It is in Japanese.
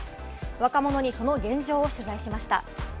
若者にその現状を取材しました。